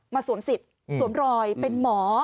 สวมสิทธิ์สวมรอยเป็นหมอ